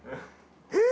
えっ！？